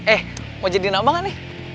eh mau jadi nabang kan nih